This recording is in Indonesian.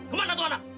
kemana tuh anak